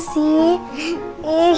hei siapa yang ngajakin aku